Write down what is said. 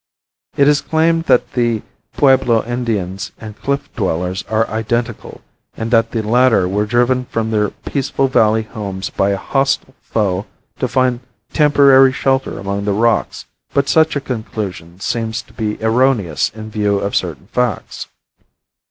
It is claimed that the Pueblo Indians and cliff dwellers are identical and that the latter were driven from their peaceful valley homes by a hostile foe to find temporary shelter among the rocks, but such a conclusion seems to be erroneous in view of certain facts.